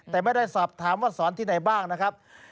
แต่ไม่ได้สอบถามว่าสอนที่ไหนบ้างนะครับ